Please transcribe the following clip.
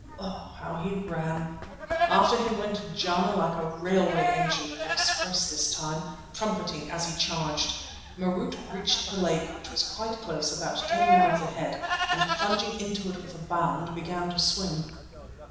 Oh! how he ran. After him went Jana like a railway engine—express this time—trumpeting as he charged. Marût reached the lake, which was quite close, about ten yards ahead, and plunging into it with a bound, began to swim.